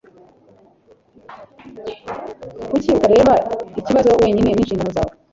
kuki utareba ikibazo wenyine? ninshingano zawe